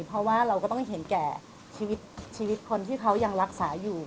เพราะว่าเราก็ต้องเห็นแก่ชีวิตคนที่เขายังรักษาอยู่